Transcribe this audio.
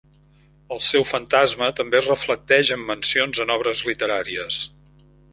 El seu fantasma també es reflecteix en mencions en obres literàries.